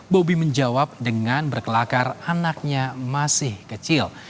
bobi menjawab dengan berkelakar anaknya masih kecil